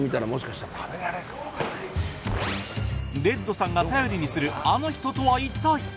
レッドさんが頼りにするあの人とは一体？